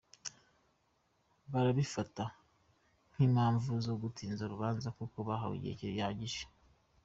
Burabifata nk’impamvu zo gutinza urubanza kuko bahawe igihe gihagije .